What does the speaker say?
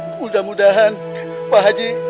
mudah mudahan pak haji